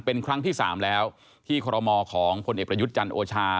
เป็นครั้งที่๓แล้วที่คอรมอของพลเอกประยุทธ์จันทร์โอชา